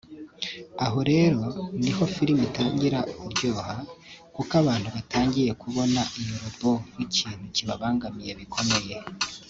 Aho rero ni ho filime itangirira kuryoha kuko abantu batangiye kubona iyo robo nk’ikintu kibabangamiye bikomeye